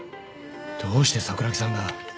どうして桜木さんが。